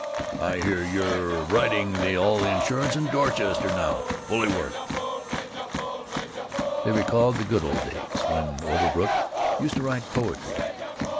I hear you're writing all the insurance in Dorchester now. Bully work!" They recalled the good old days when Overbrook used to write poetry.